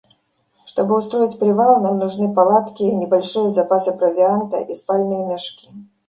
Чтобы устроить привал, нам нужны палатки, небольшие запасы провианта и спальные мешки.